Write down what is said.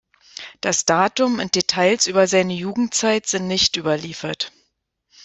Das Datum und Details über seine Jugendzeit sind nicht überliefert.